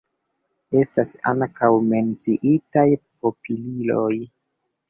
Estas ankaŭ menciitaj papilioj.